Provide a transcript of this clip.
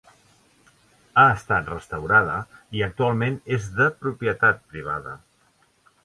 Ha estat restaurada i actualment és de propietat privada.